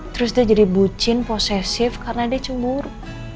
terus dia jadi bucin posesif karena dia cemur